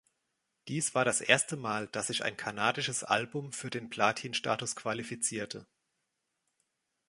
Dies war das erste Mal, dass sich ein kanadisches Album für den Platinstatus qualifizierte.